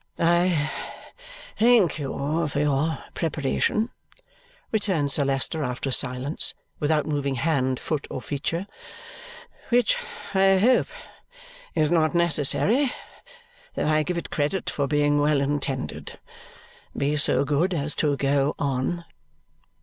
"I thank you for your preparation," returns Sir Leicester after a silence, without moving hand, foot, or feature, "which I hope is not necessary; though I give it credit for being well intended. Be so good as to go on.